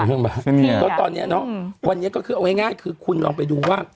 ครึ่งจังหวัดตอนเนี้ยเนอะอืมวันนี้ก็คือเอาให้ง่ายคือคุณลองไปดูว่า